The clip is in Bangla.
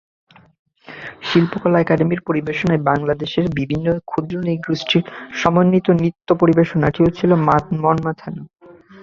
শিল্পকলা একাডেমীর পরিবেশনায় বাংলাদেশের বিভিন্ন ক্ষৃদ্র নৃ-গোষ্ঠীর সমন্বিত নৃত্য পরিবেশনাটিও ছিল মনমাতানো।